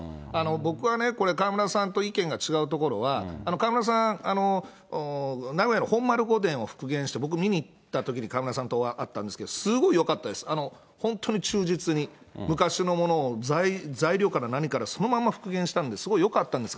僕はね、これ、河村さんと意見が違うところは、河村さん、名古屋の本丸御殿を復元して、僕見に行ったときに河村さんと会ったんですけど、すごいよかったです、ほんとに忠実に、昔のものを材料から何からそのまま復元したんで、すごいよかったんです。